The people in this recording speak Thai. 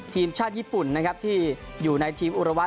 ทีมชาติญี่ปุ่นนะครับที่อยู่ในทีมอุระวะ